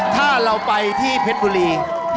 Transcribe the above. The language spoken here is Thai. ถ้าเราไปที่เพชรบุรี